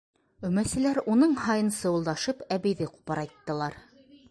Өмәселәр уның һайын сыуылдашып әбейҙе ҡупырайттылар.